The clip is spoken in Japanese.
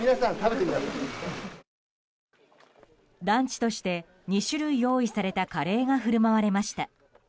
ランチとして２種類用意されたカレーが振る舞われました。